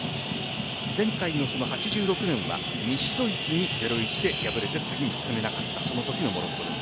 前回の８６年は西ドイツに０ー１で敗れて次に進めなかったその時のモロッコです。